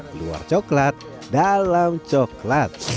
keluar coklat dalam coklat